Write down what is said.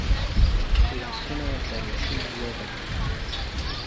لاسونه د ماشوم لوبه ده